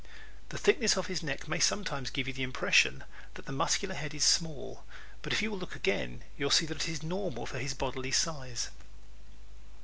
The thickness of his neck may sometimes give you the impression that the Muscular head is small but if you will look again you will see that it is normal for his bodily size.